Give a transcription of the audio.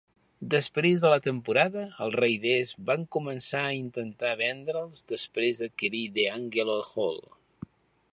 Després de la temporada, els Raiders van començar a intentar vendre'l després d'adquirir DeAngelo Hall.